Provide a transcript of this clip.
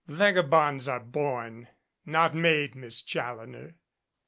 "Vagabonds are born not made, Miss Challoner.